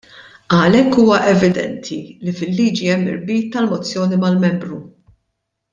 Għalhekk huwa evidenti li fil-liġi hemm irbit tal-mozzjoni mal-Membru.